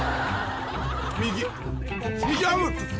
右右アムッ！